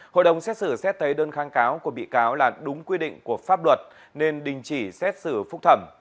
hội đồng xét xử xét thấy đơn kháng cáo của bị cáo là đúng quy định của pháp luật nên đình chỉ xét xử phúc thẩm